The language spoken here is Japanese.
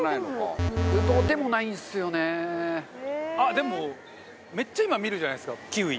でも、めっちゃ今見るじゃないですか、キウイ。